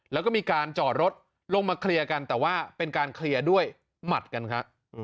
แล้วก็มีการจอดรถลงมาเคลียร์กันแต่ว่าเป็นการเคลียร์ด้วยหมัดกันครับ